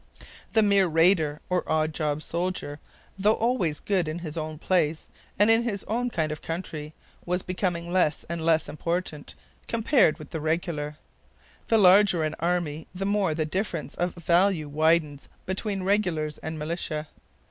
The mere raider, or odd job soldier, though always good in his own place and in his own kind of country, was becoming less and less important compared with the regular. The larger an army the more the difference of value widens between regulars and militia.